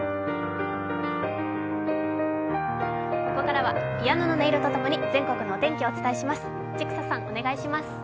ここからはピアノの音色とともに全国のお天気をお伝えします。